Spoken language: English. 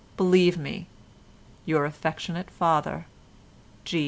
—Believe me, your affectionate father, G.